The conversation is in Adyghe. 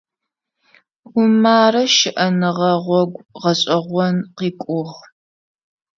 Умарэ щыӀэныгъэ гъогу гъэшӀэгъон къыкӀугъ.